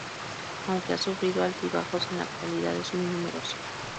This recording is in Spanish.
Aunque ha sufrido altibajos en la actualidad es muy numerosa.